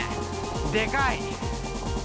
でかい。